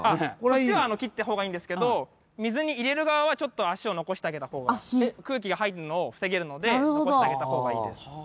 こっちは切った方がいいんですけど水に入れる側はちょっと足を残してあげた方が空気が入るのを防げるので残してあげた方がいいです。